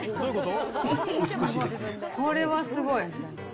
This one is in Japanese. これはすごい。